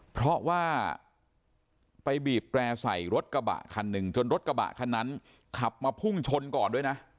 เพราะว่าไปบีบแร่ใส่รถกระบะคันหนึ่งจนรถกระบะคันนั้นขับมาพุ่งชนก่อนด้วยนะ